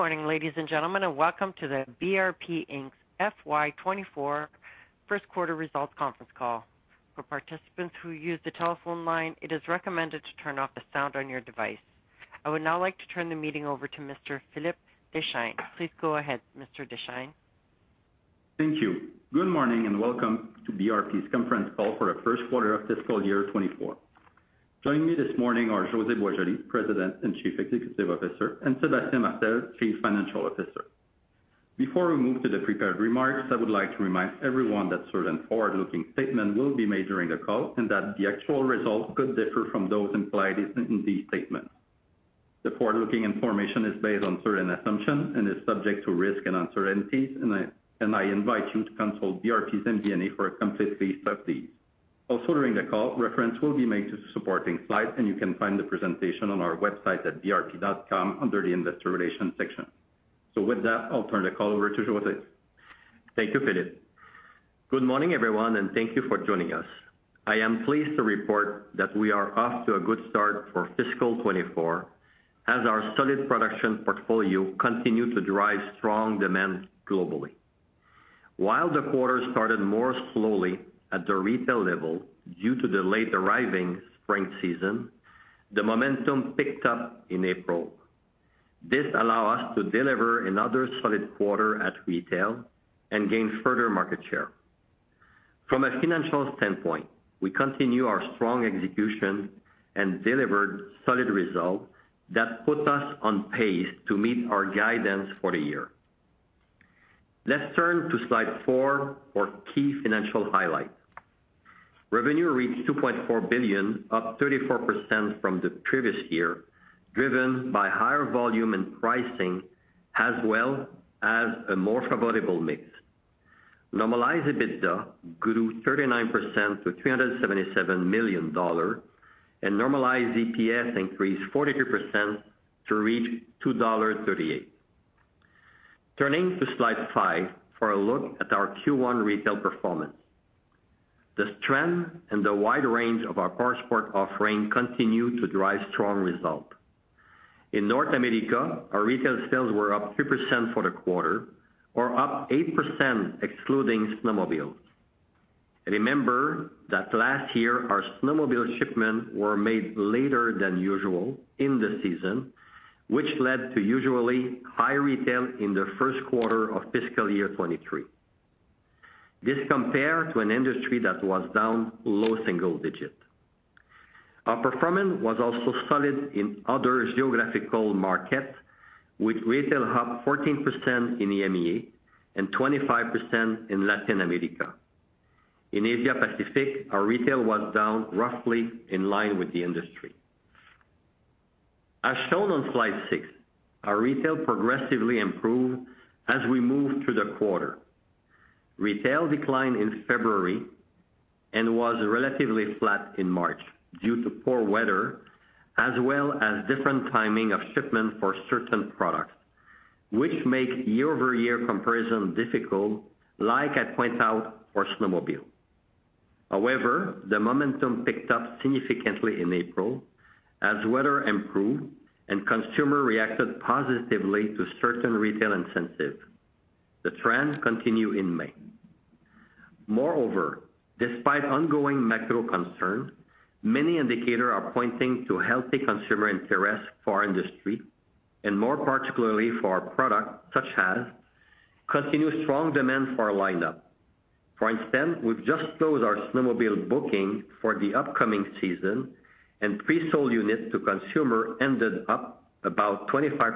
Good morning, ladies and gentlemen, welcome to the BRP Inc.'s FY 2024 first quarter results conference call. For participants who use the telephone line, it is recommended to turn off the sound on your device. I would now like to turn the meeting over to Mr. Philippe Deschênes. Please go ahead, Mr. Deschênes. Thank you. Good morning, welcome to BRP's conference call for the first quarter of fiscal year 2024. Joining me this morning are José Boisjoli, President and Chief Executive Officer, and Sébastien Martel, Chief Financial Officer. Before we move to the prepared remarks, I would like to remind everyone that certain forward-looking statements will be made during the call and that the actual results could differ from those implied in these statements. The forward-looking information is based on certain assumptions and is subject to risks and uncertainties, I invite you to consult BRP's MD&A for a complete list of these. Also, during the call, reference will be made to supporting slides, and you can find the presentation on our website at brp.com under the Investor Relations section. With that, I'll turn the call over to José. Thank you, Philippe. Good morning, everyone, thank you for joining us. I am pleased to report that we are off to a good start for fiscal 2024 as our solid production portfolio continued to drive strong demand globally. While the quarter started more slowly at the retail level due to the late arriving spring season, the momentum picked up in April. This allow us to deliver another solid quarter at retail and gain further market share. From a financial standpoint, we continue our strong execution and delivered solid results that put us on pace to meet our guidance for the year. Let's turn to slide 4 for key financial highlights. Revenue reached 2.4 billion, up 34% from the previous year, driven by higher volume and pricing, as well as a more favorable mix. Normalized EBITDA grew 39% to $377 million. Normalized EPS increased 42% to reach $2.38. Turning to slide 5 for a look at our Q1 retail performance. The trend and the wide range of our powersport offering continued to drive strong results. In North America, our retail sales were up 2% for the quarter, or up 8% excluding snowmobiles. Remember that last year, our snowmobile shipments were made later than usual in the season, which led to usually high retail in the first quarter of fiscal year 2023. This compared to an industry that was down low single-digit. Our performance was also solid in other geographical markets, with retail up 14% in EMEA and 25% in Latin America. In Asia Pacific, our retail was down roughly in line with the industry. As shown on slide 6, our retail progressively improved as we moved through the quarter. Retail declined in February and was relatively flat in March due to poor weather, as well as different timing of shipments for certain products, which make year-over-year comparison difficult, like I point out for snowmobile. The momentum picked up significantly in April as weather improved and consumer reacted positively to certain retail incentives. The trends continue in May. Despite ongoing macro concerns, many indicators are pointing to healthy consumer interest for our industry and more particularly for our product, such as continued strong demand for our lineup. For instance, we've just closed our snowmobile booking for the upcoming season, and pre-sold units to consumer ended up about 25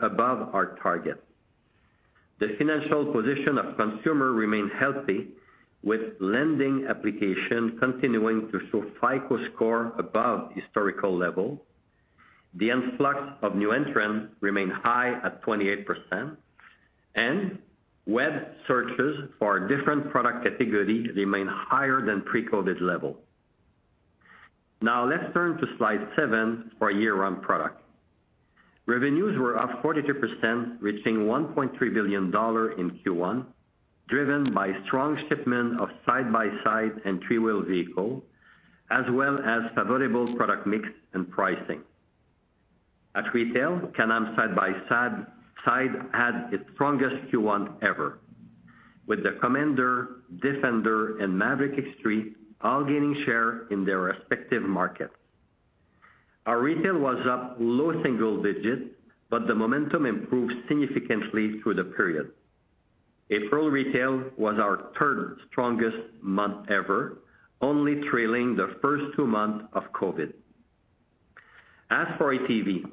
above our target. The financial position of consumer remained healthy, with lending applications continuing to show FICO score above historical level. The influx of new entrants remained high at 28%, web searches for different product categories remain higher than pre-COVID level. Let's turn to slide 7 for year-round product. Revenues were up 42%, reaching 1.3 billion dollars in Q1, driven by strong shipment of side-by-side and three-wheel vehicle, as well as favorable product mix and pricing. At retail, Can-Am side-by-side had its strongest Q1 ever, with the Commander, Defender, and Maverick X3 all gaining share in their respective markets. Our retail was up low single digits, the momentum improved significantly through the period. April retail was our third strongest month ever, only trailing the first two months of COVID. As for ATV,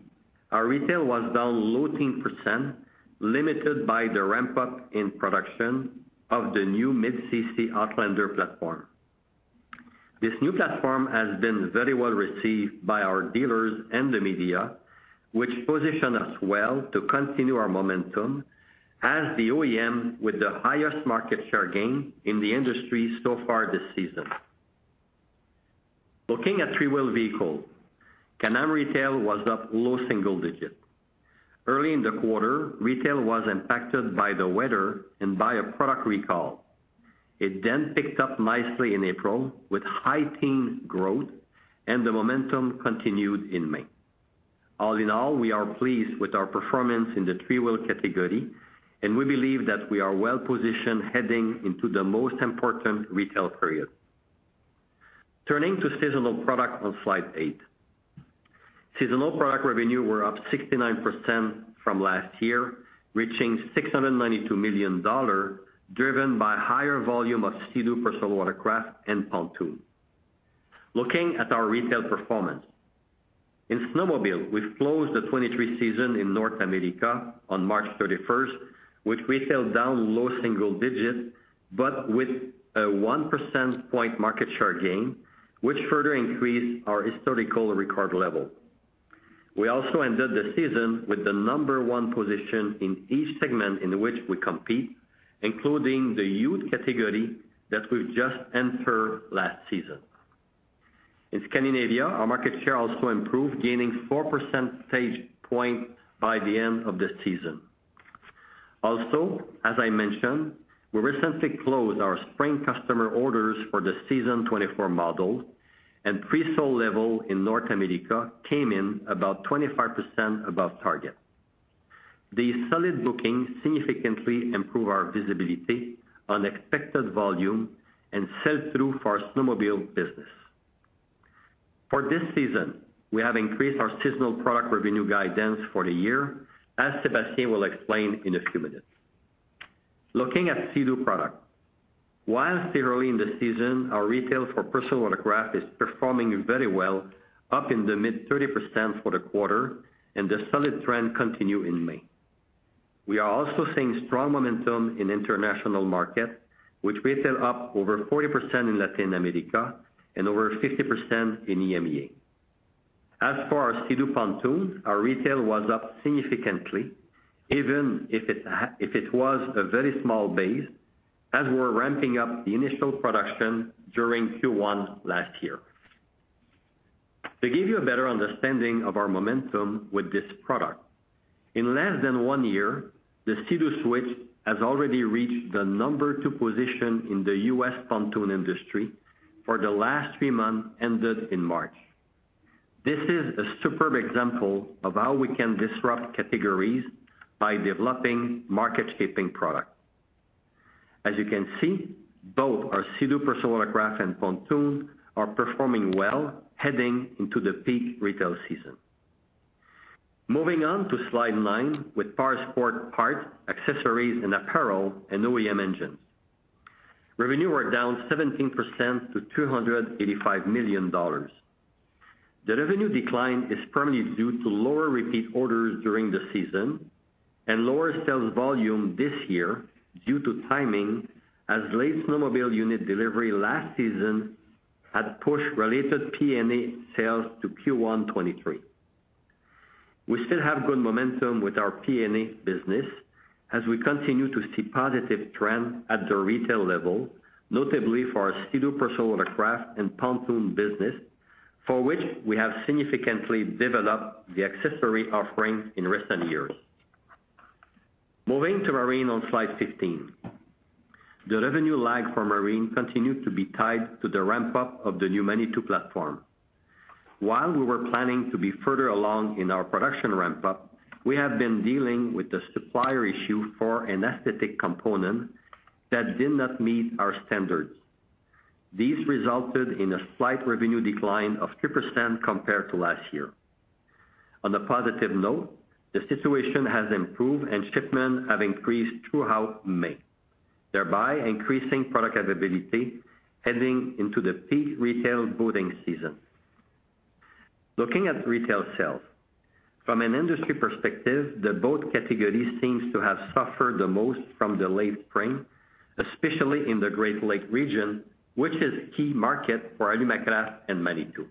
our retail was down low teen percent, limited by the ramp-up in production of the new mid-CC Outlander platform. This new platform has been very well received by our dealers and the media, which position us well to continue our momentum as the OEM with the highest market share gain in the industry so far this season. Looking at three-wheel vehicle, Can-Am retail was up low single digit. Early in the quarter, retail was impacted by the weather and by a product recall. Picked up nicely in April with high teen growth. The momentum continued in May. All in all, we are pleased with our performance in the three-wheel category, and we believe that we are well positioned heading into the most important retail period. Turning to seasonal product on slide 8. Seasonal product revenue were up 69% from last year, reaching 692 million dollars, driven by higher volume of Sea-Doo personal watercraft and pontoon. Looking at our retail performance. In snowmobile, we've closed the 2023 season in North America on March 31st, with retail down low single-digit, with a 1 percentage point market share gain, which further increased our historical record level. We also ended the season with the number 1 position in each segment in which we compete, including the youth category that we've just entered last season. In Scandinavia, our market share also improved, gaining 4 percentage point by the end of the season. As I mentioned, we recently closed our spring customer orders for the season 2024 model, presale level in North America came in about 25% above target. These solid bookings significantly improve our visibility on expected volume and sell-through for our snowmobile business. For this season, we have increased our seasonal product revenue guidance for the year, as Sébastien will explain in a few minutes. Looking at Sea-Doo product. While still early in the season, our retail for personal watercraft is performing very well, up in the mid-30% for the quarter, and the solid trend continue in May. We are also seeing strong momentum in international market, which retail up over 40% in Latin America and over 50% in EMEA. As for our Sea-Doo Pontoon, our retail was up significantly, even if it was a very small base, as we're ramping up the initial production during Q1 last year. To give you a better understanding of our momentum with this product, in less than one year, the Sea-Doo Switch has already reached the number two position in the U.S. pontoon industry for the last three months, ended in March. This is a superb example of how we can disrupt categories by developing market-shaping product. As you can see, both our Sea-Doo personal craft and pontoon are performing well, heading into the peak retail season. Moving on to slide 9, with Powersport parts, accessories, and apparel, and OEM engines. Revenue were down 17% to $285 million. The revenue decline is primarily due to lower repeat orders during the season and lower sales volume this year due to timing as late snowmobile unit delivery last season had pushed related PNA sales to Q1 2023. We still have good momentum with our PNA business as we continue to see positive trends at the retail level, notably for our Sea-Doo personal watercraft and pontoon business, for which we have significantly developed the accessory offering in recent years. Moving to Marine on slide 15. The revenue lag for Marine continued to be tied to the ramp-up of the new Manitou platform. While we were planning to be further along in our production ramp-up, we have been dealing with the supplier issue for an aesthetic component that did not meet our standards. These resulted in a slight revenue decline of 3% compared to last year. On a positive note, the situation has improved and shipments have increased throughout May, thereby increasing product availability heading into the peak retail boating season. Looking at retail sales. From an industry perspective, the boat category seems to have suffered the most from the late spring, especially in the Great Lakes region, which is a key market for Alumacraft and Manitou.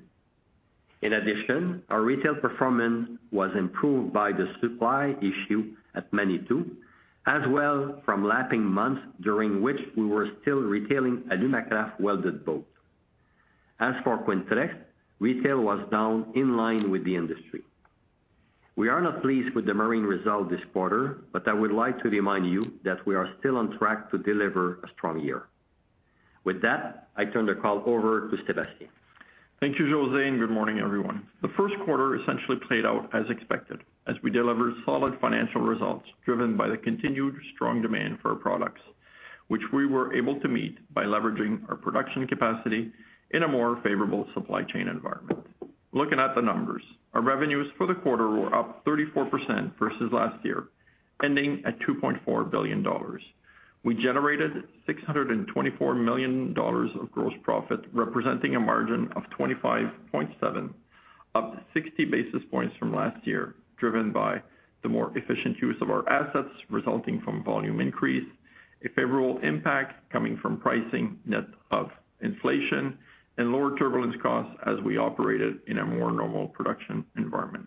Our retail performance was improved by the supply issue at Manitou, as well from lapping months during which we were still retailing Alumacraft welded boats. As for Quintrex, retail was down in line with the industry. We are not pleased with the marine result this quarter. I would like to remind you that we are still on track to deliver a strong year. With that, I turn the call over to Sébastien. Thank you, José, and good morning, everyone. The first quarter essentially played out as expected, as we delivered solid financial results driven by the continued strong demand for our products, which we were able to meet by leveraging our production capacity in a more favorable supply chain environment. Looking at the numbers, our revenues for the quarter were up 34% versus last year, ending at $2.4 billion. We generated $624 million of gross profit, representing a margin of 25.7%, up 60 basis points from last year, driven by the more efficient use of our assets resulting from volume increase, a favorable impact coming from pricing net of inflation, and lower turbulence costs as we operated in a more normal production environment.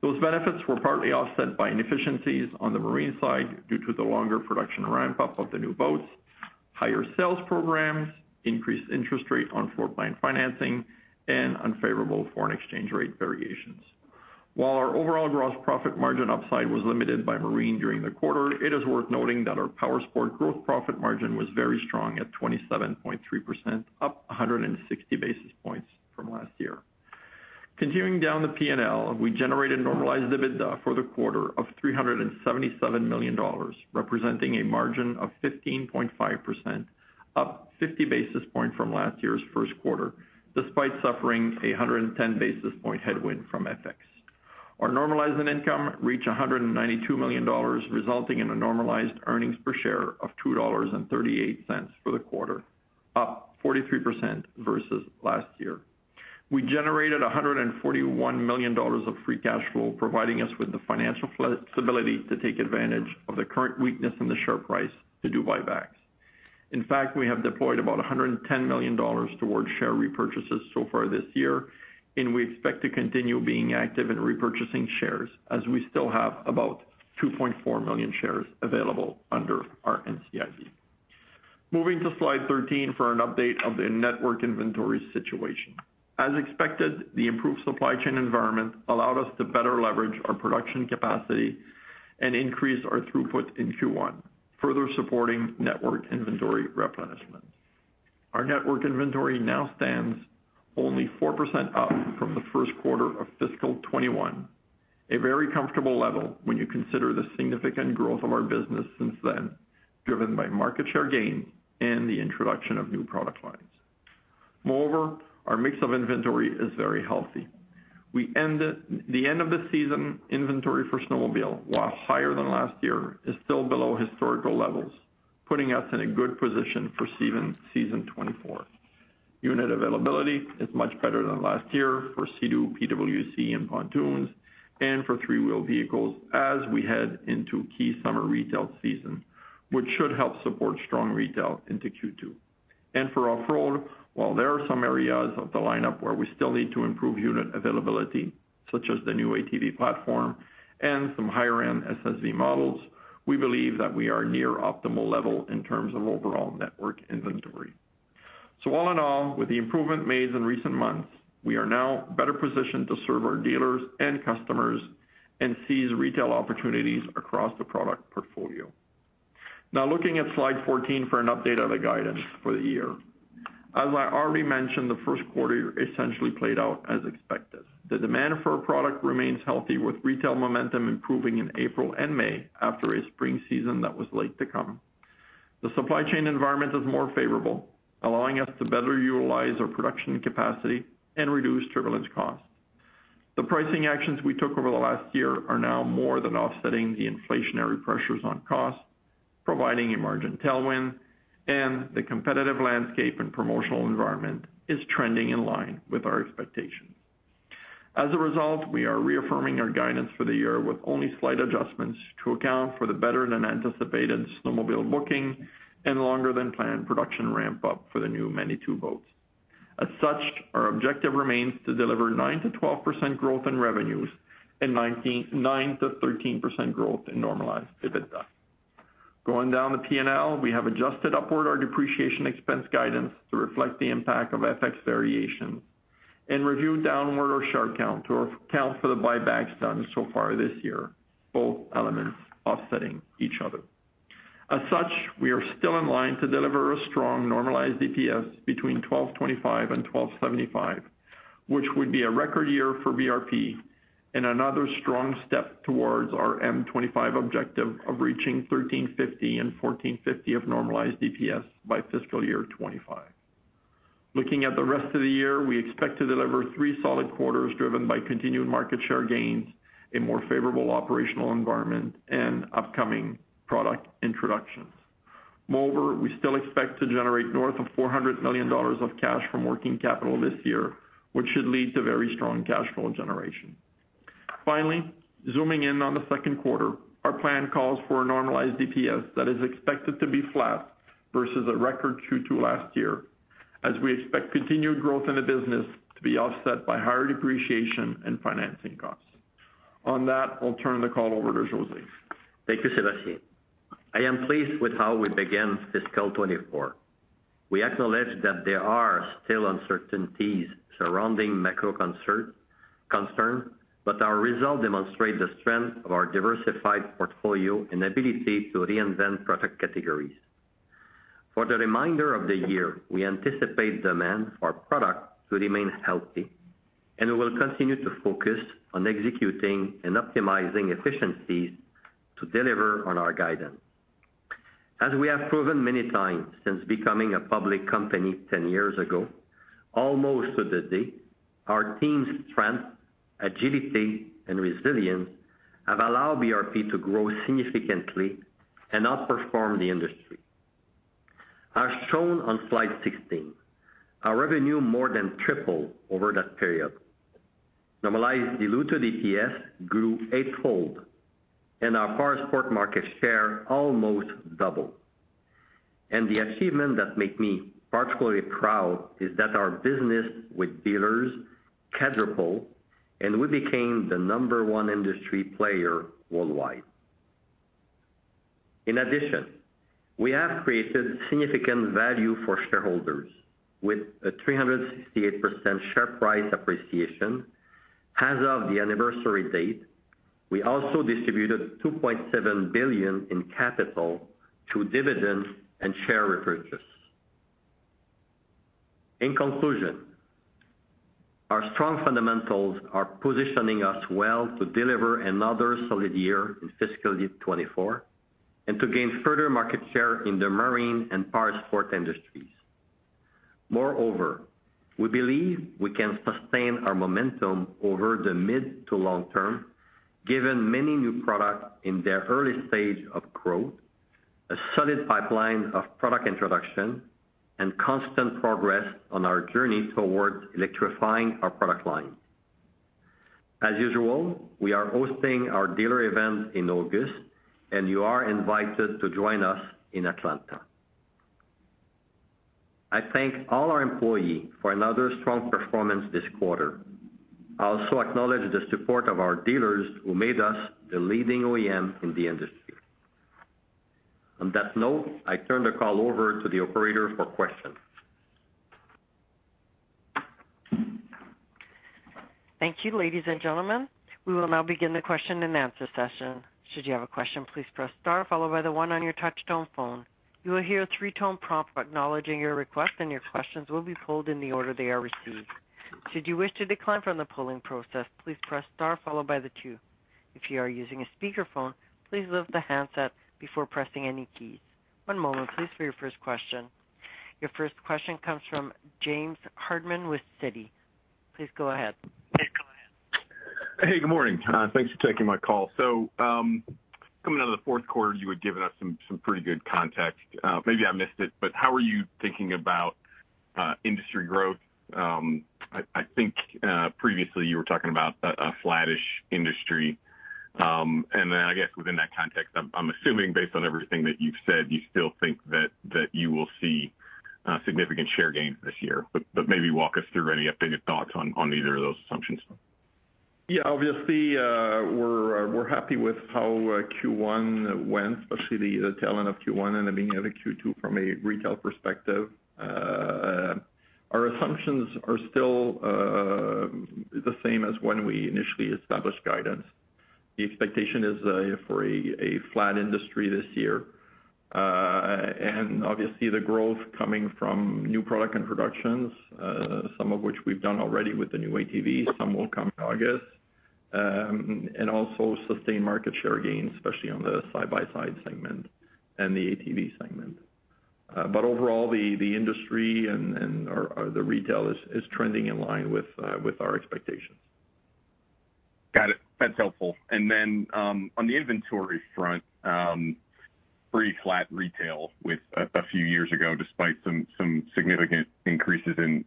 Those benefits were partly offset by inefficiencies on the marine side due to the longer production ramp-up of the new boats, higher sales programs, increased interest rate on floor plan financing, unfavorable foreign exchange rate variations. While our overall gross profit margin upside was limited by Marine during the quarter, it is worth noting that our Powersports growth profit margin was very strong at 27.3%, up 160 basis points from last year. Continuing down the PNL, we generated normalized EBITDA for the quarter of 377 million dollars, representing a margin of 15.5%, up 50 basis points from last year's first quarter, despite suffering 110 basis points headwind from FX. Our normalized net income reached 192 million dollars, resulting in a normalized earnings per share of 2.38 dollars for the quarter, up 43% versus last year. We generated 141 million dollars of free cash flow, providing us with the financial flexibility to take advantage of the current weakness in the share price to do buybacks. In fact, we have deployed about 110 million dollars towards share repurchases so far this year, and we expect to continue being active in repurchasing shares as we still have about 2.4 million shares available under our NCIB. Moving to slide 13 for an update of the network inventory situation. As expected, the improved supply chain environment allowed us to better leverage our production capacity and increase our throughput in Q1, further supporting network inventory replenishment. Our network inventory now stands only 4% up from the first quarter of fiscal 2021, a very comfortable level when you consider the significant growth of our business since then, driven by market share gains and the introduction of new product lines. Our mix of inventory is very healthy. The end of the season inventory for snowmobile, while higher than last year, is still below historical levels, putting us in a good position for season 2024. Unit availability is much better than last year for Sea-Doo, PWC, and pontoons, and for three-wheeled vehicles as we head into key summer retail season, which should help support strong retail into Q2. For off-road, while there are some areas of the lineup where we still need to improve unit availability, such as the new ATV platform and some higher-end SSV models, we believe that we are near optimal level in terms of overall network inventory. All in all, with the improvement made in recent months, we are now better positioned to serve our dealers and customers and seize retail opportunities across the product portfolio. Now looking at slide 14 for an update on the guidance for the year. As I already mentioned, the first quarter essentially played out as expected. The demand for our product remains healthy, with retail momentum improving in April and May after a spring season that was late to come. The supply chain environment is more favorable, allowing us to better utilize our production capacity and reduce turbulence costs. The pricing actions we took over the last year are now more than offsetting the inflationary pressures on costs, providing a margin tailwind, and the competitive landscape and promotional environment is trending in line with our expectations. As a result, we are reaffirming our guidance for the year with only slight adjustments to account for the better than anticipated snowmobile bookings and longer than planned production ramp-up for the new Manitou boats. As such, our objective remains to deliver 9%-12% growth in revenues and 9%-13% growth in normalized EBITDA. Going down the PNL, we have adjusted upward our depreciation expense guidance to reflect the impact of FX variations and reviewed downward our share count to account for the buybacks done so far this year, both elements offsetting each other. As such, we are still in line to deliver a strong normalized EPS between 12.25 and 12.75, which would be a record year for BRP and another strong step towards our M25 objective of reaching 13.50 and 14.50 of normalized EPS by fiscal year 2025. We still expect to generate north of 400 million dollars of cash from working capital this year, which should lead to very strong cash flow generation. Zooming in on the 2nd quarter, our plan calls for a normalized EPS that is expected to be flat versus a record Q2 last year, as we expect continued growth in the business to be offset by higher depreciation and financing costs. On that, I'll turn the call over to José. Thank you, Sébastien. I am pleased with how we began fiscal 2024. Our results demonstrate the strength of our diversified portfolio and ability to reinvent product categories. For the remainder of the year, we anticipate demand for our product to remain healthy, and we will continue to focus on executing and optimizing efficiencies to deliver on our guidance. As we have proven many times since becoming a public company 10 years ago, almost to the day, our team's strength, agility, and resilience have allowed BRP to grow significantly and outperform the industry. As shown on slide 16, our revenue more than tripled over that period. Normalized diluted EPS grew eightfold, and our Powersports market share almost doubled. The achievement that make me particularly proud is that our business with dealers quadrupled, and we became the number 1 industry player worldwide. In addition, we have created significant value for shareholders with a 368% share price appreciation. As of the anniversary date, we also distributed $2.7 billion in capital through dividends and share repurchase. In conclusion, our strong fundamentals are positioning us well to deliver another solid year in fiscal year 2024 and to gain further market share in the marine and powersport industries. Moreover, we believe we can sustain our momentum over the mid to long term, given many new products in their early stage of growth, a solid pipeline of product introduction, and constant progress on our journey towards electrifying our product line. As usual, we are hosting our dealer event in August, and you are invited to join us in Atlanta. I thank all our employee for another strong performance this quarter. I also acknowledge the support of our dealers, who made us the leading OEM in the industry. On that note, I turn the call over to the operator for questions. Thank you. Ladies and gentlemen, we will now begin the question-and-answer session. Should you have a question, please press star followed by the one on your touchtone phone. You will hear a 3-tone prompt acknowledging your request, and your questions will be pulled in the order they are received. Should you wish to decline from the polling process, please press star followed by the two. If you are using a speakerphone, please lift the handset before pressing any keys. One moment, please, for your first question. Your first question comes from James Hardiman with Citi. Please go ahead. Hey, good morning. Thanks for taking my call. Coming out of the fourth quarter, you had given us some pretty good context. Maybe I missed it, but how are you thinking about industry growth? I think previously you were talking about a flattish industry. Then I guess within that context, I'm assuming based on everything that you've said, you still think that you will see significant share gains this year. Maybe walk us through any updated thoughts on either of those assumptions. Yeah, obviously, we're happy with how Q1 went, especially the tail end of Q1 and the beginning of the Q2 from a retail perspective. Our assumptions are still the same as when we initially established guidance. The expectation is for a flat industry this year. Obviously, the growth coming from new product introductions, some of which we've done already with the new ATV, some will come in August. Also sustained market share gains, especially on the side-by-side segment and the ATV segment. Overall, the industry and or the retail is trending in line with our expectations. Got it. That's helpful. On the inventory front, pretty flat retail with a few years ago, despite some significant increases in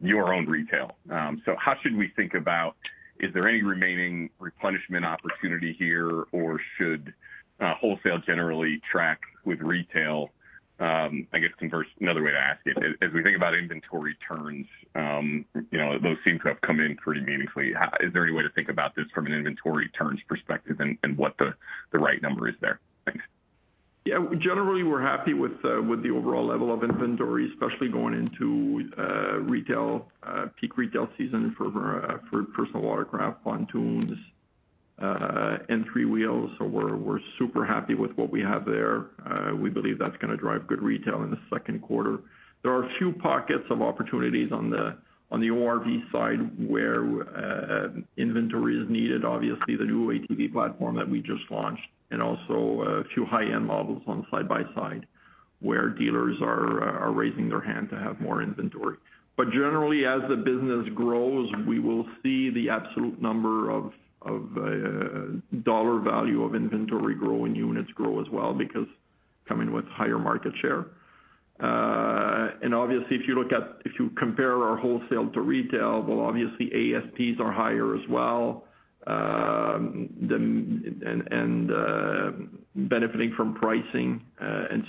your own retail. How should we think about, is there any remaining replenishment opportunity here, or should wholesale generally track with retail? Another way to ask it, as we think about inventory turns, you know, those seem to have come in pretty meaningfully. Is there any way to think about this from an inventory turns perspective and what the right number is there? Thanks. Yeah, generally, we're happy with the overall level of inventory, especially going into retail, peak retail season for personal watercraft, pontoons, and three wheels. We're super happy with what we have there. We believe that's going to drive good retail in the second quarter. There are a few pockets of opportunities on the ORV side, where inventory is needed. Obviously, the new ATV platform that we just launched and also a few high-end models on side-by-side, where dealers are raising their hand to have more inventory. Generally, as the business grows, we will see the absolute number of dollar value of inventory grow and units grow as well, because coming with higher market share. Obviously, if you compare our wholesale to retail, well, obviously, ASPs are higher as well, than. Benefiting from pricing.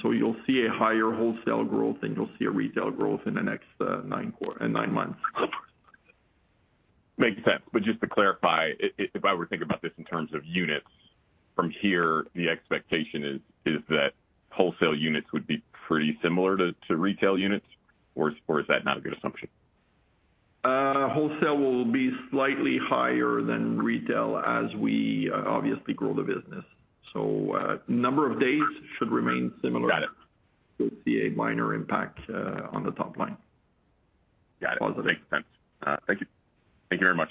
You'll see a higher wholesale growth, and you'll see a retail growth in the next nine months. Makes sense. Just to clarify, if I were to think about this in terms of units, from here, the expectation is that wholesale units would be pretty similar to retail units, or is that not a good assumption? Wholesale will be slightly higher than retail as we obviously grow the business. Number of days should remain similar. Got it. You'll see a minor impact, on the top line. Yeah. Positive. Makes sense. Thank you. Thank you very much.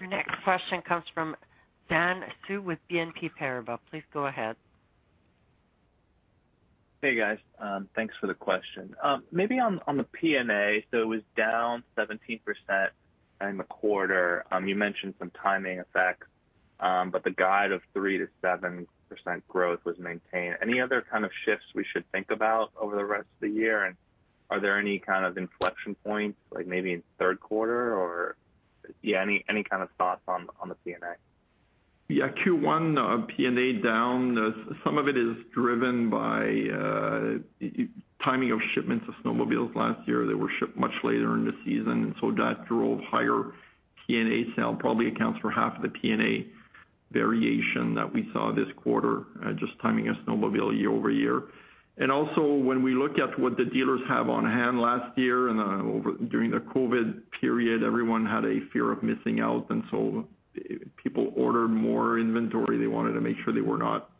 Your next question comes from Dan Su with BNP Paribas. Please go ahead. Hey, guys. Thanks for the question. Maybe on the PNA, it was down 17% in the quarter. You mentioned some timing effects, but the guide of 3%-7% growth was maintained. Any other kind of shifts we should think about over the rest of the year, and are there any kind of inflection points, like maybe in third quarter? Yeah, any kind of thoughts on the PNA? Yeah, Q1, PNA down, some of it is driven by timing of shipments of snowmobiles last year. They were shipped much later in the season. That drove higher PNA sale, probably accounts for half of the PNA variation that we saw this quarter, just timing of snowmobile year-over-year. Also, when we look at what the dealers have on hand last year during the COVID period, everyone had a fear of missing out, people ordered more inventory. They wanted to make sure they were not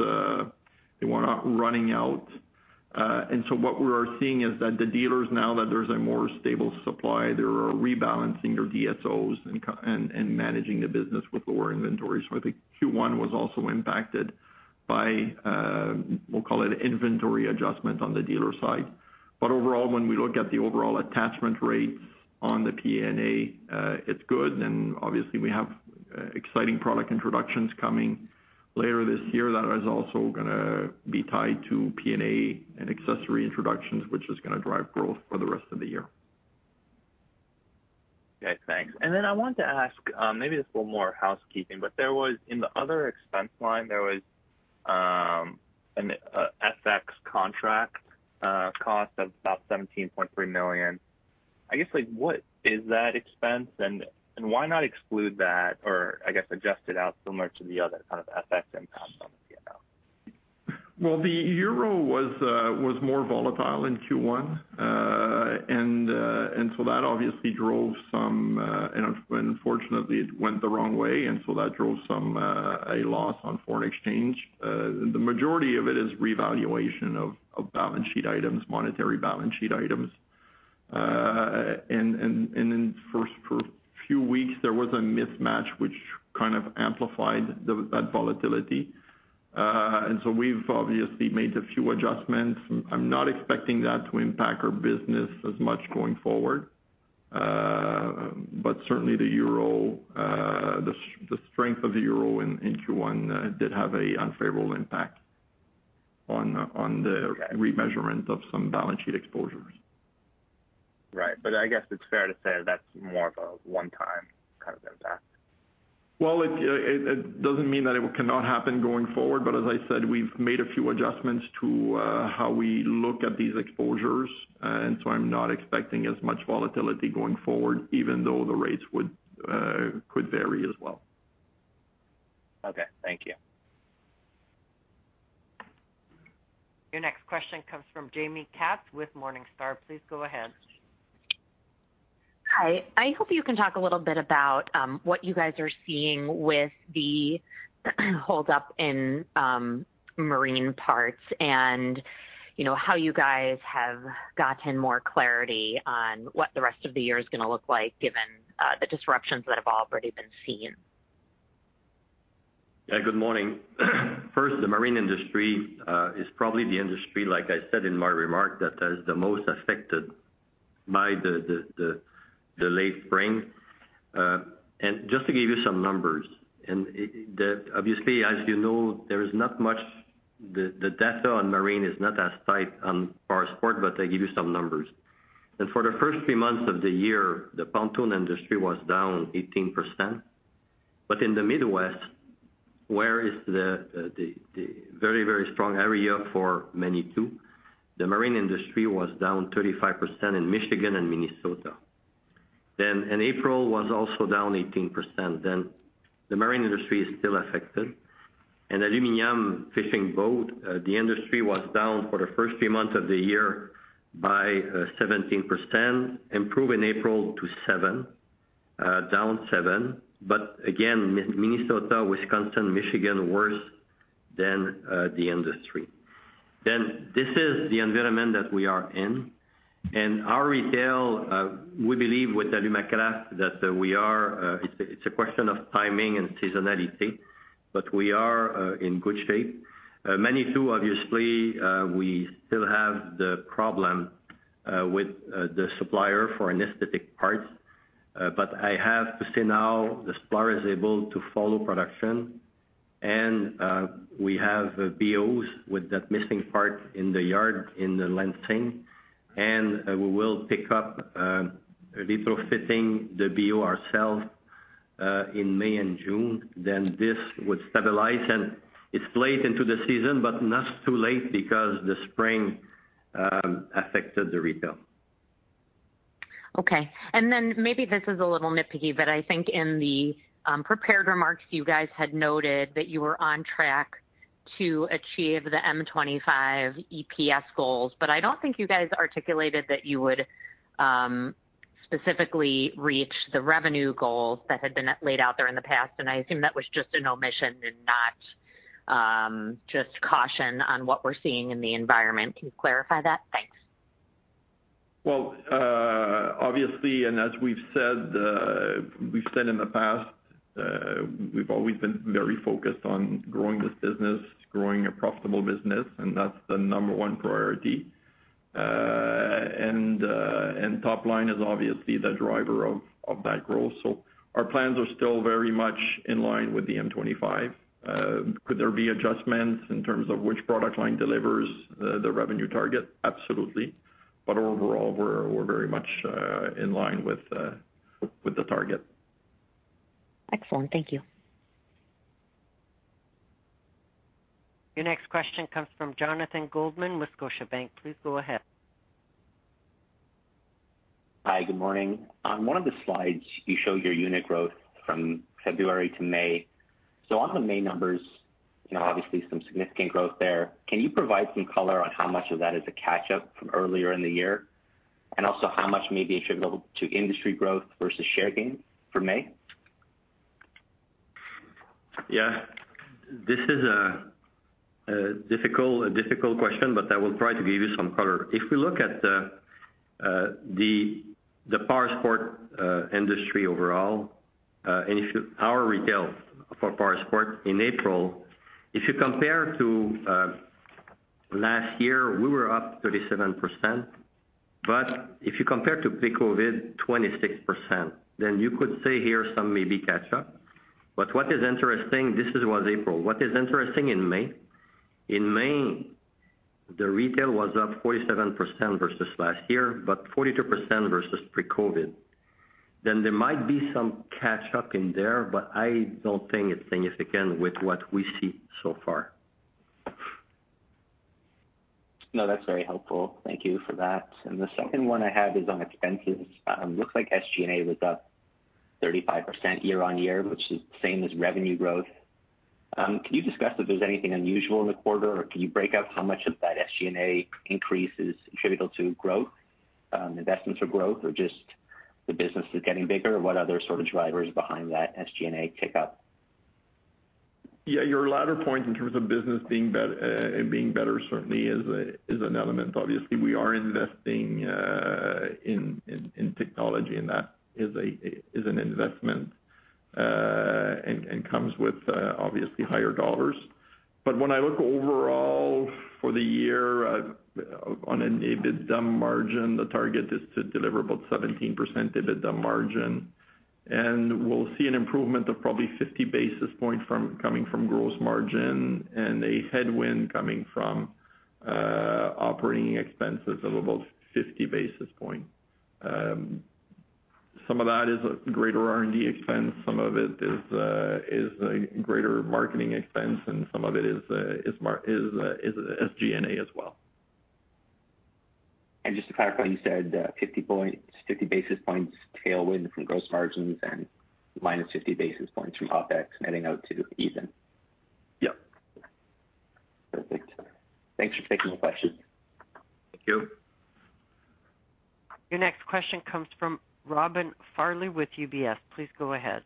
running out. What we are seeing is that the dealers, now that there's a more stable supply, they are rebalancing their DSOs and managing the business with lower inventory. I think Q1 was also impacted by, we'll call it inventory adjustment on the dealer side. Overall, when we look at the overall attachment rates on the PNA, it's good. Obviously, we have exciting product introductions coming later this year that is also gonna be tied to PNA and accessory introductions, which is gonna drive growth for the rest of the year. Okay, thanks. Then I wanted to ask, maybe it's a little more housekeeping, but there was, in the other expense line, there was, FX contract, cost of about 17.3 million. I guess, like, what is that expense? Why not exclude that, or I guess, adjust it out similar to the other kind of FX impacts on the P&L? Well, the euro was more volatile in Q1. That obviously drove some... Unfortunately, it went the wrong way, and so that drove some a loss on foreign exchange. The majority of it is revaluation of balance sheet items, monetary balance sheet items. Then first, for a few weeks, there was a mismatch, which kind of amplified the that volatility. We've obviously made a few adjustments. I'm not expecting that to impact our business as much going forward. Certainly the euro, the strength of the euro in Q1 did have an unfavorable impact on the- Okay. remeasurement of some balance sheet exposures. Right. I guess it's fair to say that's more of a one-time kind of impact. It doesn't mean that it cannot happen going forward, but as I said, we've made a few adjustments to how we look at these exposures, and so I'm not expecting as much volatility going forward, even though the rates would could vary as well. Okay, thank you. Your next question comes from Jaime Katz with Morningstar. Please go ahead. Hi. I hope you can talk a little bit about what you guys are seeing with the holdup in marine parts, and, you know, how you guys have gotten more clarity on what the rest of the year is gonna look like, given the disruptions that have already been seen. Yeah, good morning. First, the marine industry is probably the industry, like I said in my remark, that is the most affected by the late spring. Just to give you some numbers, obviously, as you know, there is not much, the data on marine is not as tight on Powersport, but I give you some numbers. For the first 3 months of the year, the pontoon industry was down 18%. In the Midwest, where is the very, very strong area for Manitou, the marine industry was down 35% in Michigan and Minnesota. In April, was also down 18%. The marine industry is still affected. Aluminum fishing boat, the industry was down for the first three months of the year by 17%, improved in April to 7%, down 7%. Again, Minnesota, Wisconsin, Michigan, worse than the industry. This is the environment that we are in. Our retail, we believe with Alumacraft, that we are, it's a question of timing and seasonality, but we are in good shape. Manitou, obviously, we still have the problem with the supplier for an aesthetic parts. But I have to say now, the supplier is able to follow production, and we have BOs with that missing part in the yard, in Lansing, and we will pick up retrofitting the BO ourselves in May and June. This would stabilize, and it's late into the season, but not too late because the spring affected the retail. Okay. Maybe this is a little nitpicky, but I think in the prepared remarks, you guys had noted that you were on track to achieve the M25 EPS goals. I don't think you guys articulated that you would specifically reach the revenue goals that had been laid out there in the past, and I assume that was just an omission and not just caution on what we're seeing in the environment. Can you clarify that? Thanks. Well, obviously, as we've said in the past, we've always been very focused on growing this business, growing a profitable business, and that's the number one priority. Top line is obviously the driver of that growth. Our plans are still very much in line with the M25. Could there be adjustments in terms of which product line delivers, the revenue target? Absolutely. Overall, we're very much in line with the target. Excellent. Thank you. Your next question comes from Jonathan Goldman with Scotiabank. Please go ahead. Hi, good morning. On one of the slides, you showed your unit growth from February to May. On the May numbers, you know, obviously some significant growth there. Can you provide some color on how much of that is a catch-up from earlier in the year? Also how much may be attributable to industry growth versus share gain for May? Yeah. This is a difficult question. I will try to give you some color. If we look at the Powersport industry overall, our retail for Powersport in April, if you compare to last year, we were up 37%, but if you compare to pre-COVID, 26%. You could say here some maybe catch up. What is interesting, this was April. What is interesting in May? In May, the retail was up 47% versus last year, but 42% versus pre-COVID. There might be some catch up in there, but I don't think it's significant with what we see so far. No, that's very helpful. Thank you for that. The second one I had is on expenses. Looks like SG&A was up 35% year-on-year, which is the same as revenue growth. Can you discuss if there's anything unusual in the quarter, or can you break out how much of that SG&A increase is attributable to growth, investments for growth, or just the business is getting bigger? What other sort of drivers behind that SG&A tick up? Yeah, your latter point in terms of business being better certainly is an element. Obviously, we are investing in technology, and that is an investment and comes with obviously higher dollars. But when I look overall for the year, on an EBITDA margin, the target is to deliver about 17% EBITDA margin, and we'll see an improvement of probably 50 basis points coming from gross margin and a headwind coming from operating expenses of about 50 basis point. Some of that is a greater R&D expense, some of it is a greater marketing expense, and some of it is SG&A as well. Just to clarify, you said 50 basis points tailwind from gross margins and -50 basis points from OpEx, netting out to even? Yep. Perfect. Thanks for taking the question. Thank you. Your next question comes from Robin Farley with UBS. Please go ahead.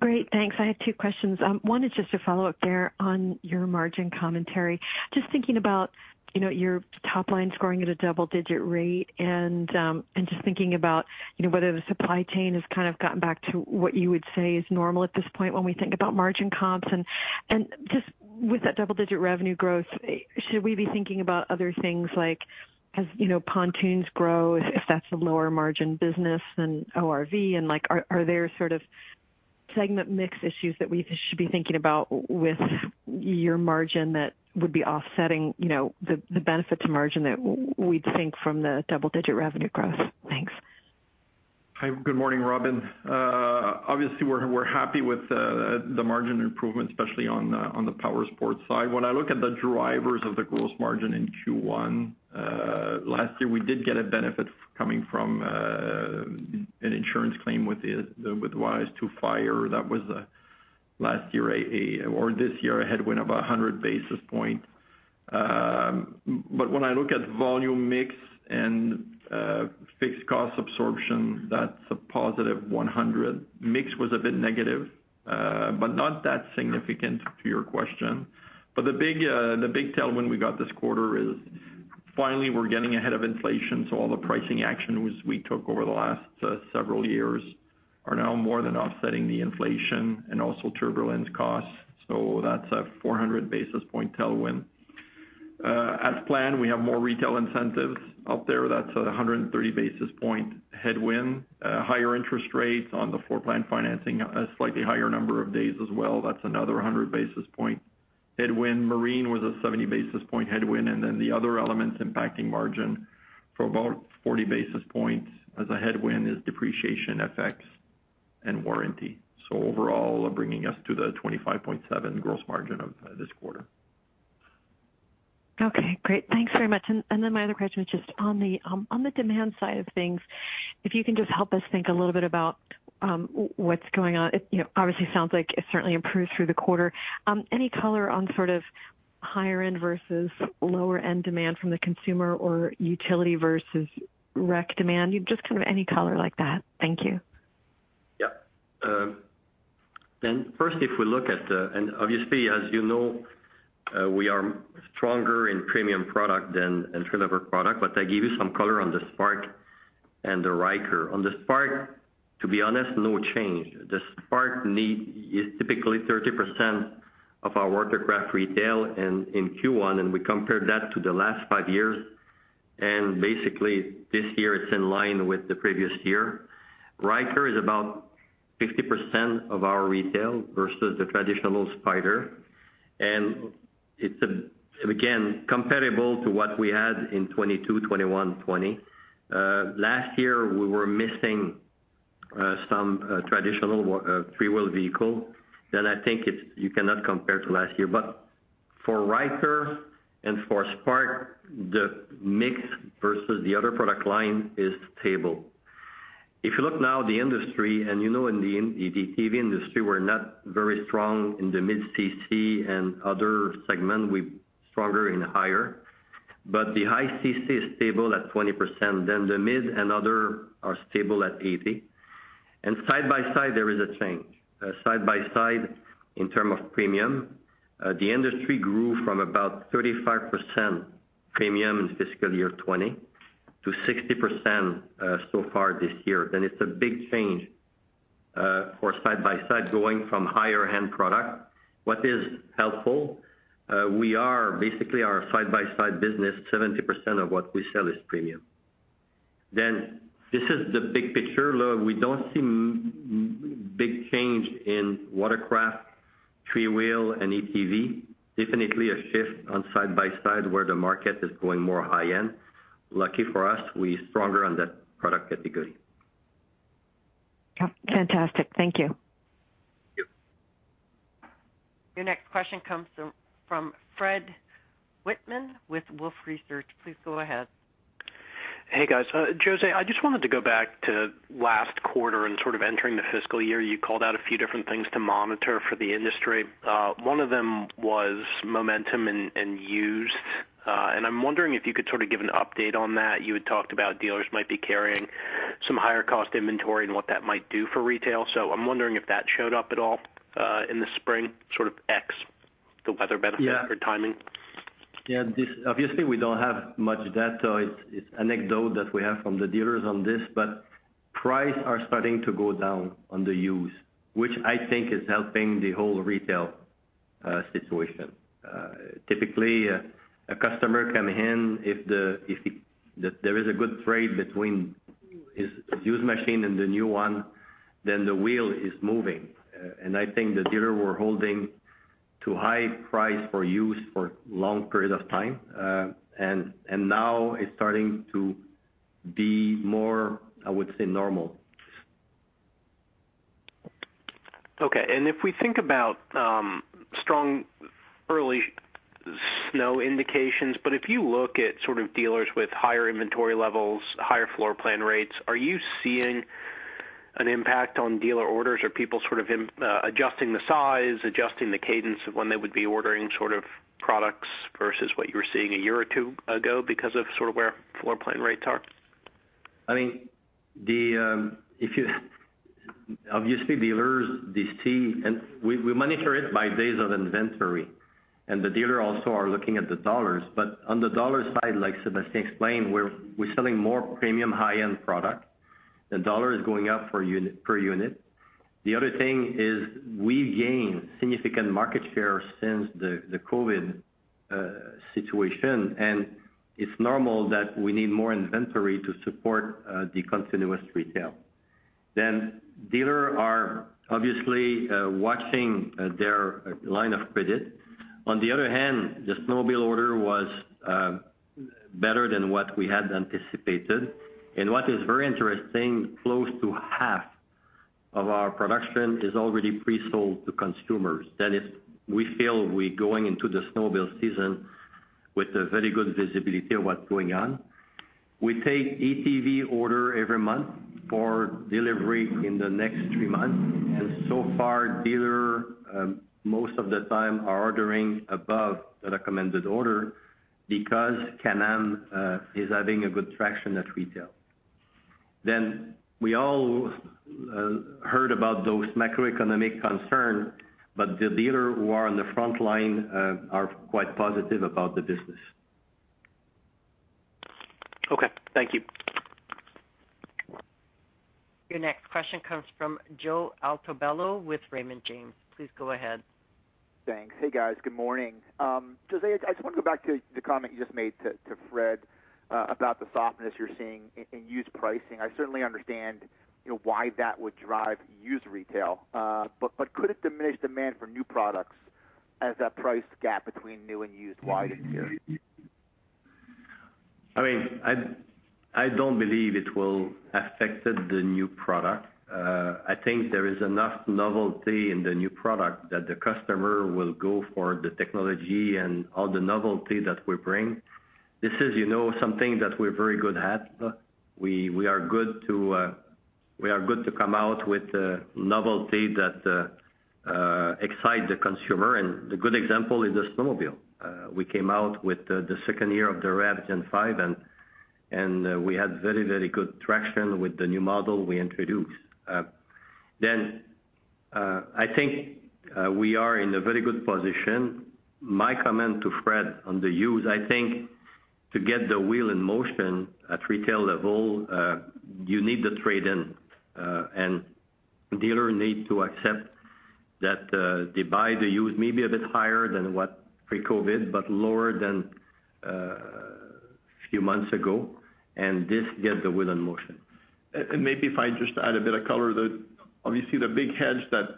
Great, thanks. I had two questions. One is just a follow-up there on your margin commentary. Just thinking about, you know, your top line scoring at a double-digit rate and just thinking about, you know, whether the supply chain has kind of gotten back to what you would say is normal at this point when we think about margin comps. Just with that double-digit revenue growth, should we be thinking about other things like, as, you know, pontoons grow, if that's a lower margin business than ORV? Like, are there sort of segment mix issues that we should be thinking about with your margin that would be offsetting, you know, the benefit to margin that we'd think from the double-digit revenue growth? Thanks. Hi. Good morning, Robin. Obviously, we're happy with the margin improvement, especially on the powersports side. When I look at the drivers of the gross margin in Q1, last year, we did get a benefit coming from an insurance claim with the Maui Fire. That was last year, a or this year, a headwind of 100 basis points. When I look at volume mix and fixed cost absorption, that's a positive 100. Mix was a bit negative, not that significant to your question. The big, the big tailwind we got this quarter is finally, we're getting ahead of inflation, so all the pricing action we took over the last several years are now more than offsetting the inflation and also turbulence costs, so that's a 400 basis point tailwind. As planned, we have more retail incentives out there. That's a 130 basis point headwind, higher interest rates on the floor plan financing, a slightly higher number of days as well. That's another 100 basis point headwind. Marine was a 70 basis point headwind, and then the other elements impacting margin for about 40 basis points as a headwind is depreciation, FX, and warranty. Overall, bringing us to the 25.7 gross margin of this quarter. Okay, great. Thanks very much. My other question is just on the demand side of things, if you can just help us think a little bit about what's going on. You know, obviously sounds like it certainly improved through the quarter. Any color on sort of higher end versus lower end demand from the consumer or utility versus rec demand? Just kind of any color like that. Thank you. Yeah. First, if we look at the... Obviously, as you know, we are stronger in premium product than in deliver product, but I give you some color on the Spark and the Ryker. On the Spark, to be honest, no change. The Spark need is typically 30% of our watercraft retail in Q1, we compared that to the last five years, basically, this year it's in line with the previous year. Ryker is about 50% of our retail versus the traditional Spyder, it's, again, comparable to what we had in 2022, 2021, 2020. Last year, we were missing. some traditional three-wheel vehicle, I think it's, you cannot compare to last year. For Ryker and for Spark, the mix versus the other product line is stable. If you look now at the industry, you know, in the ATV industry, we're not very strong in the mid-cc and other segment, we stronger and higher. The high CC is stable at 20%, the mid and other are stable at 80%. Side-by-side, there is a change. Side by side, in term of premium, the industry grew from about 35% premium in fiscal year 2020, to 60% so far this year. It's a big change for side by side, going from higher end product. What is helpful, we are basically our side-by-side business, 70% of what we sell is premium. This is the big picture. Look, we don't see big change in watercraft, three-wheel and ATV. Definitely a shift on side-by-side, where the market is going more high-end. Lucky for us, we stronger on that product category. Yeah. Fantastic. Thank you. Thank you. Your next question comes from Fred Wightman with Wolfe Research. Please go ahead. Hey, guys. José, I just wanted to go back to last quarter and sort of entering the fiscal year. You called out a few different things to monitor for the industry. One of them was momentum and used. I'm wondering if you could sort of give an update on that. You had talked about dealers might be carrying some higher cost inventory and what that might do for retail. I'm wondering if that showed up at all, in the spring, sort of X, the weather benefit- Yeah. Timing? Yeah. Obviously, we don't have much data. It's anecdote that we have from the dealers on this, but price are starting to go down on the used, which I think is helping the whole retail situation. Typically, a customer come in, if there is a good trade between his used machine and the new one, then the wheel is moving. I think the dealer were holding to high price for used for long period of time, and now it's starting to be more, I would say, normal. Okay. If we think about strong early snow indications, but if you look at sort of dealers with higher inventory levels, higher floor plan rates, are you seeing an impact on dealer orders? Are people sort of adjusting the size, adjusting the cadence of when they would be ordering sort of products versus what you were seeing a year or two ago because of sort of where floor plan rates are? I mean, we monitor it by days of inventory, and the dealer also are looking at the dollars. On the dollar side, like Sébastien explained, we're selling more premium high-end product. The dollar is going up per unit. The other thing is we've gained significant market share since the COVID situation, and it's normal that we need more inventory to support the continuous retail. Dealer are obviously watching their line of credit. On the other hand, the snowmobile order was better than what we had anticipated. What is very interesting, close to half of our production is already pre-sold to consumers. That is, we feel we're going into the snowmobile season with a very good visibility of what's going on. We take ATV order every month for delivery in the next three months, and so far, dealer, most of the time, are ordering above the recommended order because Can-Am is having a good traction at retail. We all heard about those macroeconomic concern, but the dealer who are on the front line, are quite positive about the business. Okay, thank you. Your next question comes from Joe Altobello with Raymond James. Please go ahead. Thanks. Hey, guys. Good morning. José, I just want to go back to the comment you just made to Fred, about the softness you're seeing in used pricing. I certainly understand, you know, why that would drive used retail, but could it diminish demand for new products as that price gap between new and used widens here? I mean, I don't believe it will affected the new product. I think there is enough novelty in the new product that the customer will go for the technology and all the novelty that we bring. This is, you know, something that we're very good at. We are good to come out with a novelty that excite the consumer, and the good example is the snowmobile. We came out with the second year of the MAX Gen 5, and we had very, very good traction with the new model we introduced. I think we are in a very good position. My comment to Fred on the used, I think to get the wheel in motion at retail level, you need the trade-in, and dealer need to accept that, they buy the used maybe a bit higher than what pre-COVID, but lower than few months ago, and this get the wheel in motion. Maybe if I just add a bit of color. Obviously, the big hedge that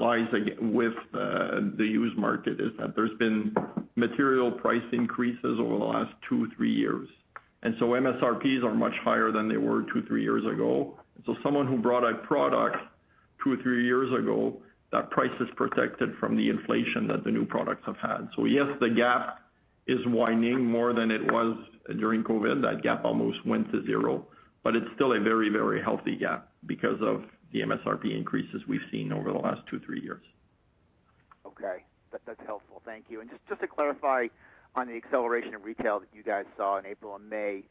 lies with the used market is that there's been material price increases over the last 2, 3 years. MSRPs are much higher than they were 2, 3 years ago. Someone who brought a product 2 or 3 years ago, that price is protected from the inflation that the new products have had. Yes, the gap is widening more than it was during COVID. That gap almost went to 0, but it's still a very, very healthy gap because of the MSRP increases we've seen over the last 2, 3 years. Okay. That's helpful. Thank you. Just to clarify on the acceleration in retail that you guys saw in April and May,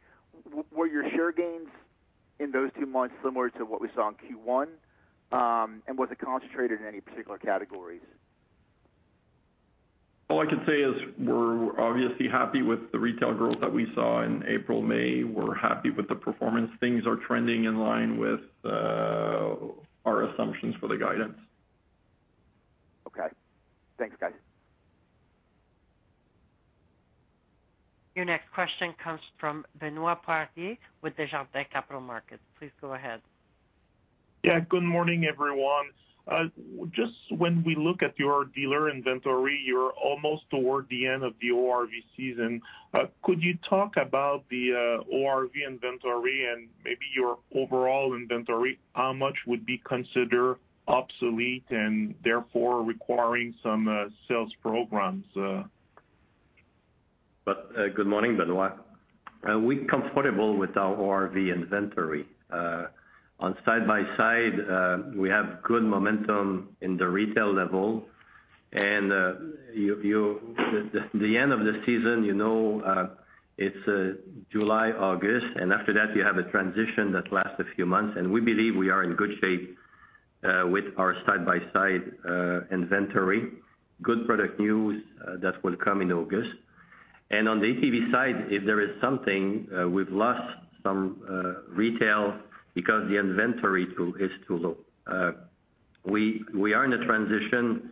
were your share gains in those two months similar to what we saw in Q1? Was it concentrated in any particular categories? All I can say is we're obviously happy with the retail growth that we saw in April, May. We're happy with the performance. Things are trending in line with our assumptions for the guidance. Okay. Thanks, guys. Your next question comes from Benoit Poirier with Desjardins Capital Markets. Please go ahead. Good morning, everyone. Just when we look at your dealer inventory, you're almost toward the end of the ORV season. Could you talk about the ORV inventory and maybe your overall inventory? How much would be considered obsolete and therefore requiring some sales programs? Good morning, Benoit Poirier. We're comfortable with our ORV inventory. On side-by-side, we have good momentum in the retail level, and you... The end of the season, you know, it's July, August, and after that, you have a transition that lasts a few months, and we believe we are in good shape with our side-by-side inventory. Good product news that will come in August. On the ATV side, if there is something, we've lost some retail because the inventory tool is too low. We are in a transition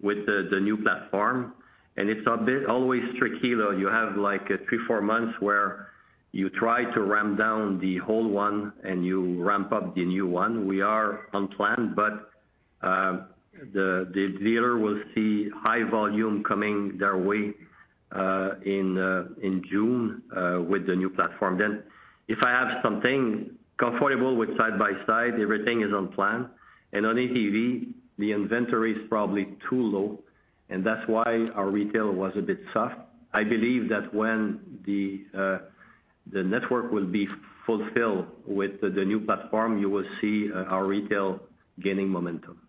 with the new platform, and it's a bit always tricky, though. You have, like, 3, 4 months where you try to ramp down the old one and you ramp up the new one. We are on plan, but the dealer will see high volume coming their way in June with the new platform. If I have something comfortable with side by side, everything is on plan, and on ATV, the inventory is probably too low, and that's why our retail was a bit soft. I believe that when the network will be fulfilled with the new platform, you will see our retail gaining momentum.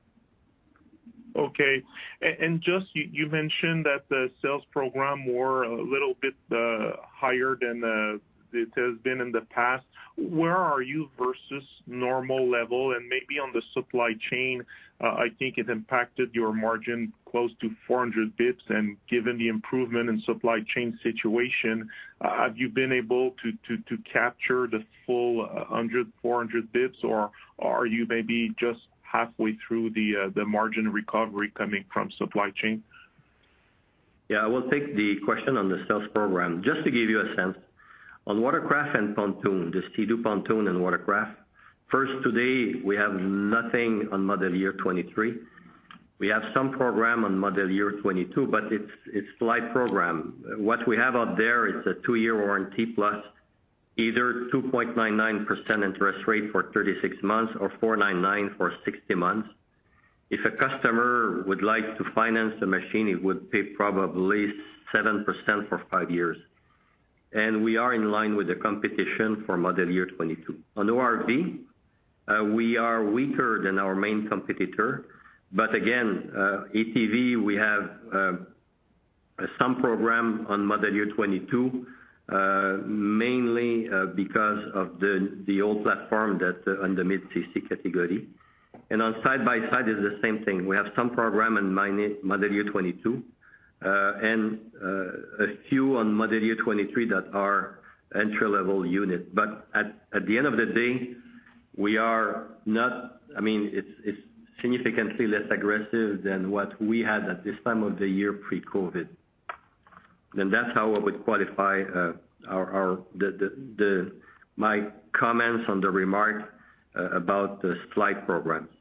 Okay. And just, you mentioned that the sales program were a little bit higher than it has been in the past. Where are you versus normal level? Maybe on the supply chain, I think it impacted your margin close to 400 basis points. Given the improvement in supply chain situation, have you been able to capture the full 400 basis points, or are you maybe just halfway through the margin recovery coming from supply chain? Yeah, I will take the question on the sales program. Just to give you a sense, on watercraft and pontoon, the Sea-Doo pontoon and watercraft, first, today, we have nothing on model year 2023. We have some program on model year 2022, but it's slight program. What we have out there is a 2-year warranty plus either 2.99% interest rate for 36 months or 4.99% for 60 months. If a customer would like to finance the machine, it would pay probably 7% for 5 years. We are in line with the competition for model year 2022. On ORV, we are weaker than our main competitor, but again, ATV, we have some program on model year 2022, mainly because of the old platform that on the mid-cc category. On side-by-side, it's the same thing. We have some program in mind, model year 2022, and a few on model year 2023 that are entry-level unit. At, at the end of the day, we are not. I mean, it's significantly less aggressive than what we had at this time of the year pre-COVID. That's how I would qualify our, the... my comments on the remark about the slide program. Maybe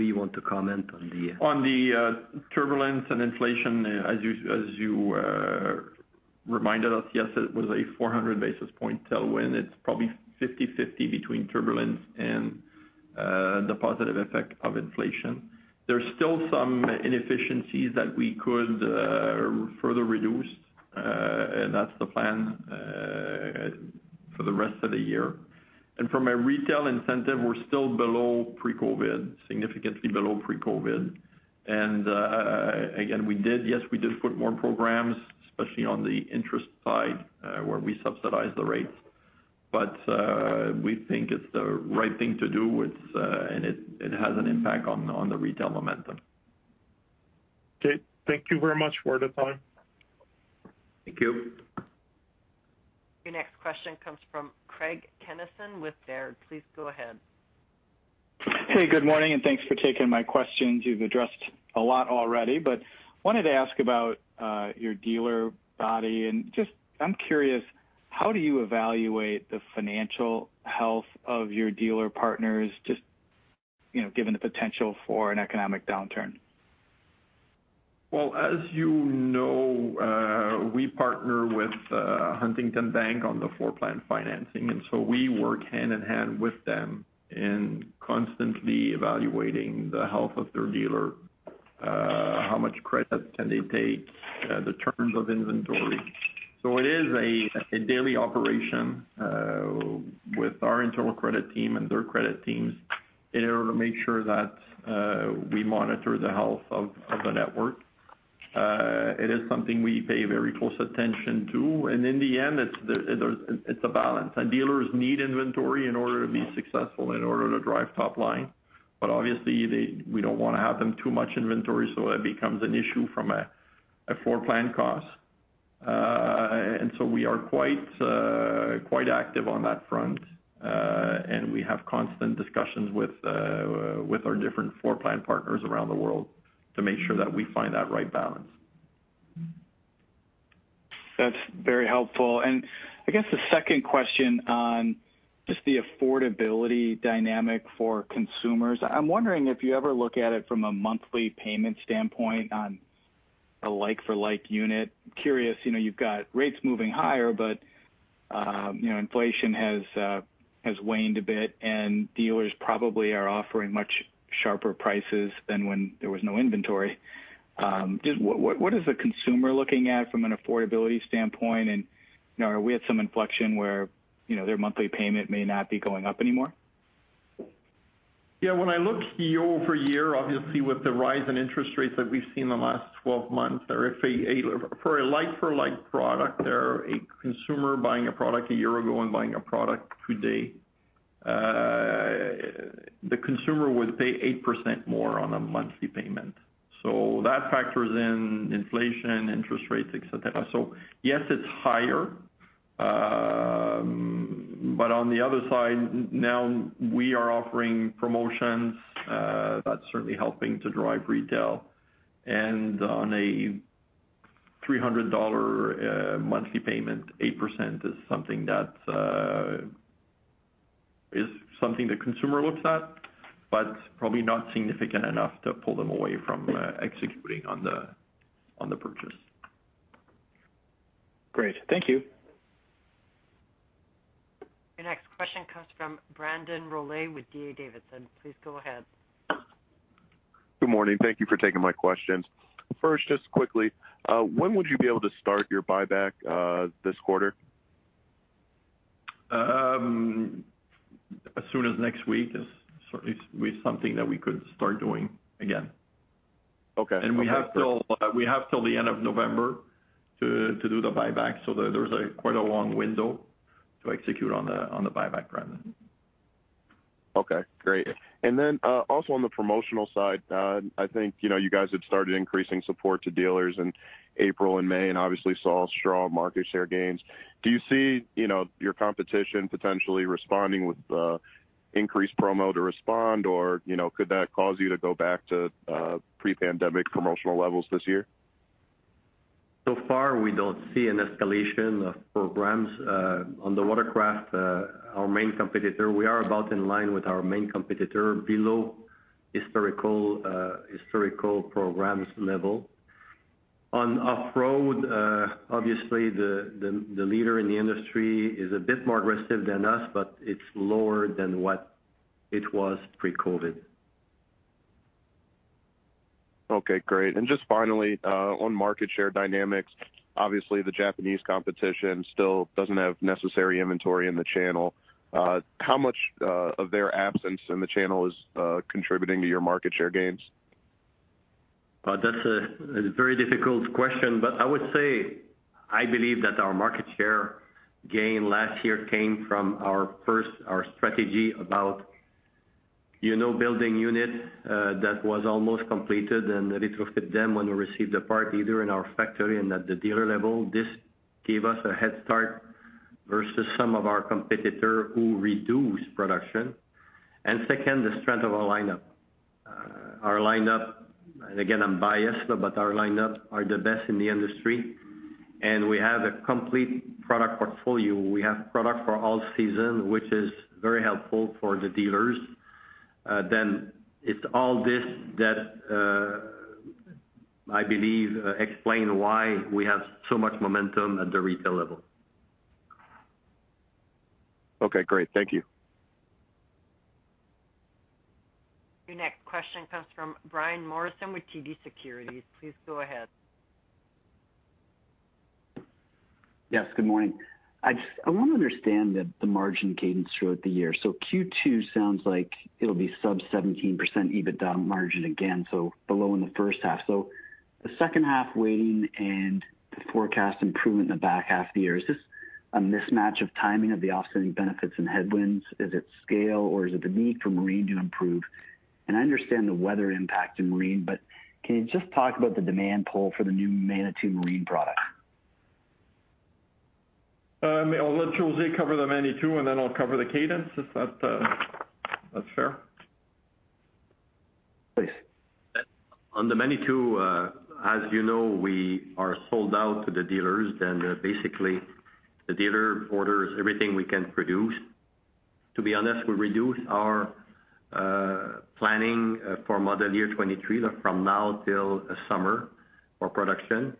you want to comment on the- On the turbulence and inflation, as you, as you reminded us, yes, it was a 400 basis point tailwind. It's probably 50/50 between turbulence and the positive effect of inflation. There's still some inefficiencies that we could further reduce, and that's the plan for the rest of the year. From a retail incentive, we're still below pre-COVID, significantly below pre-COVID. Again, we did, yes, we did put more programs, especially on the interest side, where we subsidize the rates, but we think it's the right thing to do. It has an impact on the retail momentum. Okay. Thank you very much for the time. Thank you. Your next question comes from Craig Kennison with Baird. Please go ahead. Good morning, thanks for taking my questions. You've addressed a lot already, but wanted to ask about your dealer body. How do you evaluate the financial health of your dealer partners, just, you know, given the potential for an economic downturn? Well, as you know, we partner with Huntington Bank on the floor plan financing. We work hand in hand with them in constantly evaluating the health of their dealer, how much credit can they take, the terms of inventory. It is a daily operation with our internal credit team and their credit teams in order to make sure that, we monitor the health of the network. It is something we pay very close attention to, and in the end, it's the, there's, it's a balance. Dealers need inventory in order to be successful, in order to drive top line. Obviously, we don't want to have them too much inventory, so it becomes an issue from a floor plan cost. We are quite active on that front, and we have constant discussions with our different floor plan partners around the world to make sure that we find that right balance. That's very helpful. I guess the second question on just the affordability dynamic for consumers. I'm wondering if you ever look at it from a monthly payment standpoint on a like-for-like unit. Curious, you know, you've got rates moving higher, but, you know, inflation has waned a bit, and dealers probably are offering much sharper prices than when there was no inventory. Just what is the consumer looking at from an affordability standpoint? You know, are we at some inflection where, you know, their monthly payment may not be going up anymore? Yeah, when I look year-over-year, obviously, with the rise in interest rates that we've seen in the last 12 months, or if for a like-for-like product, or a consumer buying a product a year ago and buying a product today, the consumer would pay 8% more on a monthly payment. That factors in inflation, interest rates, et cetera. Yes, it's higher, but on the other side, now we are offering promotions, that's certainly helping to drive retail. On a $300 monthly payment, 8% is something that is something the consumer looks at, but probably not significant enough to pull them away from executing on the purchase. Great. Thank you. Your next question comes from Brandon Rollé with D.A. Davidson. Please go ahead. Good morning. Thank you for taking my questions. First, just quickly, when would you be able to start your buyback, this quarter? As soon as next week is certainly be something that we could start doing again. Okay. We have till the end of November to do the buyback, so there's a quite a long window to execute on the buyback, Brandon. Okay, great. Also on the promotional side, I think, you know, you guys have started increasing support to dealers in April and May and obviously saw strong market share gains. Do you see, you know, your competition potentially responding with increased promo to respond? You know, could that cause you to go back to pre-pandemic promotional levels this year? Far, we don't see an escalation of programs. on the watercraft, our main competitor, we are about in line with our main competitor, below historical programs level. Off-road, obviously, the leader in the industry is a bit more aggressive than us, but it's lower than what it was pre-COVID. Okay, great. Just finally, on market share dynamics, obviously, the Japanese competition still doesn't have necessary inventory in the channel. How much of their absence in the channel is contributing to your market share gains? That's a very difficult question, but I would say, I believe that our market share gain last year came from our first, our strategy about, you know, building units that was almost completed and retrofit them when we received the part, either in our factory and at the dealer level. This gave us a head start versus some of our competitor who reduced production. Second, the strength of our lineup. Our lineup, and again, I'm biased, but our lineup are the best in the industry, and we have a complete product portfolio. We have product for all season, which is very helpful for the dealers. It's all this that, I believe, explain why we have so much momentum at the retail level. Okay, great. Thank you. Your next question comes from Brian Morrison with TD Securities. Please go ahead. Yes, good morning. I want to understand the margin cadence throughout the year. Q2 sounds like it'll be sub 17% EBITDA margin again, so below in the first half. The second half waiting and the forecast improvement in the back half of the year, is this a mismatch of timing of the offsetting benefits and headwinds? Is it scale, or is it the need for Marine to improve? I understand the weather impact in Marine, can you just talk about the demand pull for the new Manitou Marine product? I'll let José cover the Manitou, and then I'll cover the cadence, if that's fair? Please. On the Manitou, as you know, we are sold out to the dealers. Basically, the dealer orders everything we can produce. To be honest, we reduce our planning for model year 2023, from now till summer, for production.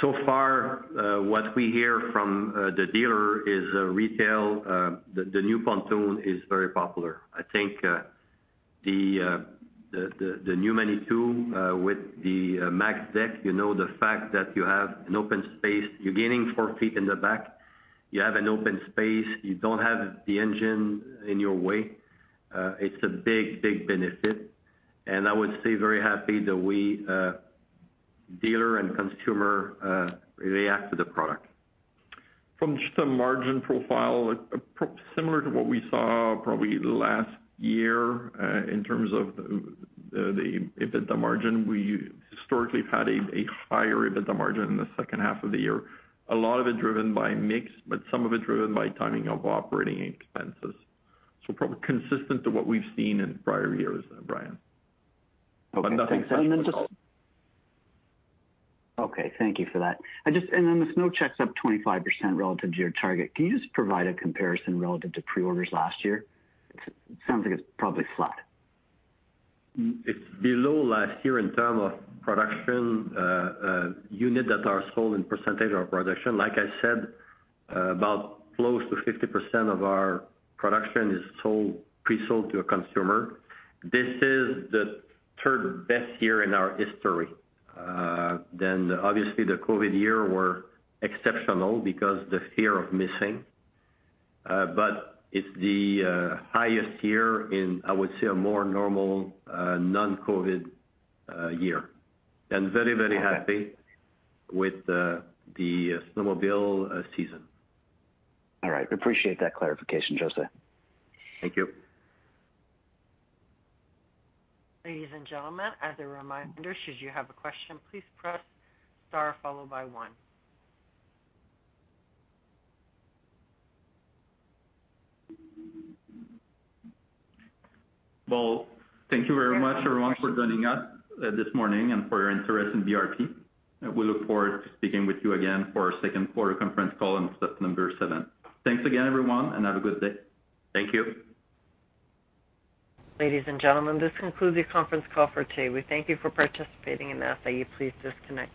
So far, what we hear from the dealer is retail, the new pontoon is very popular. I think the new Manitou with the Max Deck, you know, the fact that you have an open space, you're gaining 4 ft in the back, you have an open space, you don't have the engine in your way, it's a big, big benefit. I would say, very happy that we, dealer and consumer, react to the product. From just a margin profile, similar to what we saw probably last year, in terms of the EBITDA margin. We historically have had a higher EBITDA margin in the second half of the year. A lot of it driven by mix, but some of it driven by timing of operating expenses. Probably consistent to what we've seen in prior years, Brian. Nothing significant. Okay, thank you for that. The SnowCheck's up 25% relative to your target. Can you just provide a comparison relative to pre-orders last year? It sounds like it's probably flat. It's below last year in term of production, unit that are sold in percentage of production. Like I said, about close to 50% of our production is sold, pre-sold to a consumer. This is the third best year in our history. Obviously, the COVID year were exceptional because the fear of missing. It's the highest year in, I would say, a more normal, non-COVID, year. Very, very happy with the snowmobile season. All right, appreciate that clarification, José. Thank you. Ladies and gentlemen, as a reminder, should you have a question, please press star followed by one. Well, thank you very much, everyone, for joining us, this morning and for your interest in BRP. We look forward to speaking with you again for our second quarter conference call on September 7. Thanks again, everyone, and have a good day. Thank you. Ladies and gentlemen, this concludes the conference call for today. We thank you for participating. As for you, please disconnect your lines.